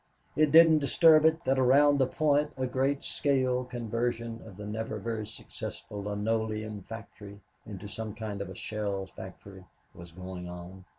It didn't disturb it that around the point a great scale conversion of the never very successful linoleum factory into some kind of a shell factory was going on.